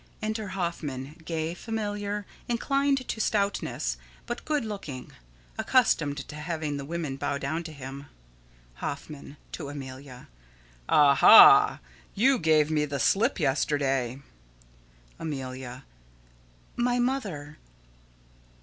[Enter Hoffman, gay, familiar, inclined to stoutness, but good looking. Accustomed to having the women bow down to him.] Hoffman: [To Amelia.] Ah, ha! You gave me the slip yesterday! Amelia: My mother.